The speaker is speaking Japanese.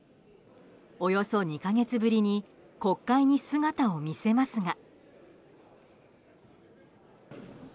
およそ２か月ぶりに国会に姿を見せますが。